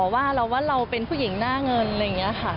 ว่าเราว่าเราเป็นผู้หญิงหน้าเงินอะไรอย่างนี้ค่ะ